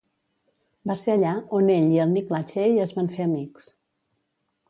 Va ser allà on ell i el Nick Lachey es van fer amics.